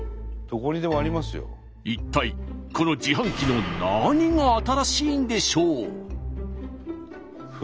一体この自販機の何が新しいんでしょう？